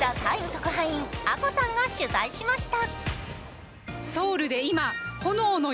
特派員あこさんが取材しました。